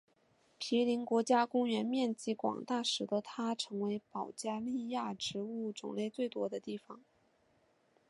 皮林国家公园面积广大使得它成为保加利亚植物种类最多的地方。